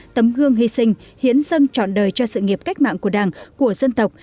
tấm gương hy sinh hiến dân chọn đời cho sự nghiệp cách mạng của đảng của dân tộc